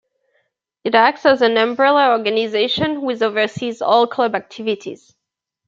It acts as an umbrella organization which oversees all club activities.